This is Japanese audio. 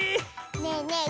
ねえねえ